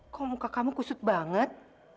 kok muka kamu kusut banget